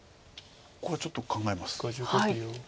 これちょっと考えます。